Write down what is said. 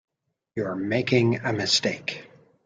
You are making a mistake.